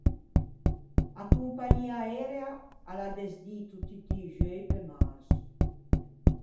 A compagnia aerea a l’à desdito tutti i xeui pe marso.